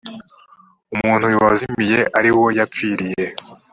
umuntu wazimiye ariwo yapfiriyeho